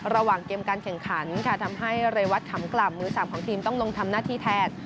ระหว่างเกมการแข่งขันค่ะทำให้เรวัตขำกล่ำมือสามของทีมต้องลงทำหน้าที่แทน